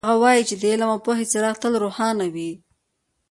هغه وایي چې د علم او پوهې څراغ تل روښانه وي